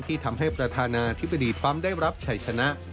ที่ทำให้ประธานาธิบดีทรัมป์ได้รับชัยชนะ